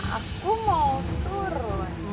aku mau turun